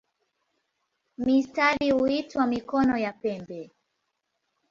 Mistari huitwa "mikono" ya pembe.